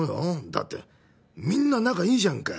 だってみんな仲いいじゃんか。